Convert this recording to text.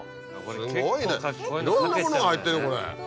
すごいねいろんなものが入ってるこれ。